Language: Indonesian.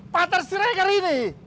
pak tersirekar ini